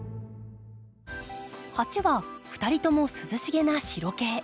鉢は２人とも涼しげな白系。